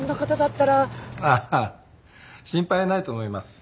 ああ心配ないと思います。